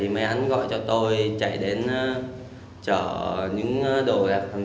mấy ánh cho con được hai trăm linh ngàn ba trăm linh ngàn